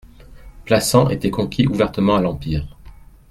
Plassans était conquis ouvertement à l'empire.